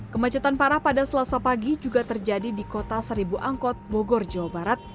kemacetan parah pada selasa pagi juga terjadi di kota seribu angkot bogor jawa barat